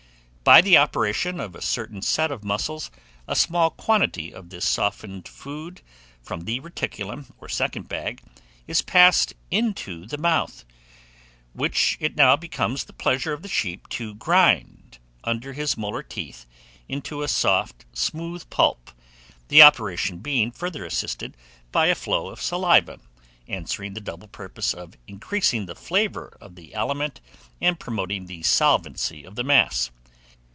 By the operation of a certain set of muscles, a small quantity of this softened food from the reticulum, or second bag, is passed into the mouth, which it now becomes the pleasure of the sheep to grind under his molar teeth into a soft smooth pulp, the operation being further assisted by a flow of saliva, answering the double purpose of increasing the flavour of the aliment and promoting the solvency of the mass.